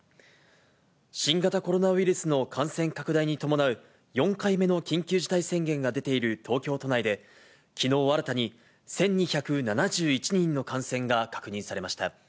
新型コロナウイルスの感染拡大に伴う４回目の緊急事態宣言が出ている東京都内で、きのう新たに１２７１人の感染が確認されました。